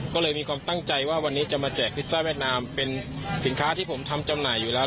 ก็เลยมีความตั้งใจว่าวันนี้จะมาแจกพิซซ่าเวียดนามเป็นสินค้าที่ผมทำจำหน่ายอยู่แล้ว